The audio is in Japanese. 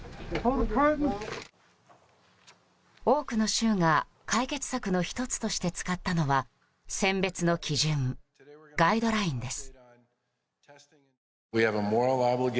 多くの州が解決策の１つとして使ったのは選別の基準、ガイドラインです。